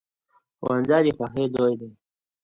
ښوونځی د خوښۍ ځای دی